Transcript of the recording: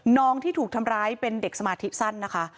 น้องที่ถูกทำร้ายเป็นเด็กสมาธิสั้นนะคะ